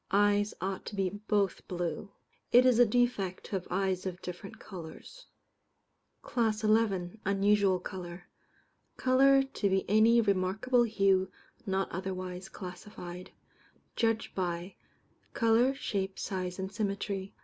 Eyes ought to be both blue. It is a defect to have eyes of different colours. CLASS XI. Unusual Colour. Colour to be any remarkable hue not otherwise classified. Judged by: Colour, shape, size, and symmetry.